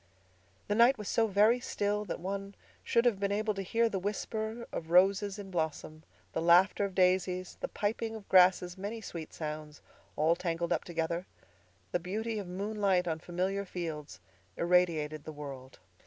The night was so very still that one should have been able to hear the whisper of roses in blossom—the laughter of daisies—the piping of grasses—many sweet sounds, all tangled up together. The beauty of moonlight on familiar fields irradiated the world.